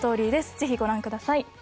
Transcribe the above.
ぜひご覧ください